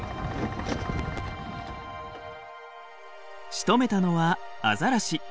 しとめたのはアザラシ。